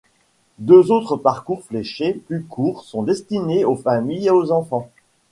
Deux autres parcours fléchés plus courts sont destinés aux familles et aux enfants.